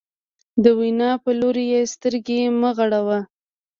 د وینا په لوري یې سترګې مه غړوه.